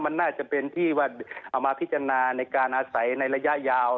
มันน่าจะเป็นที่ว่าเอามาพิจารณาในการอาศัยในระยะยาว